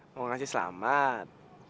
mau ngasih selamat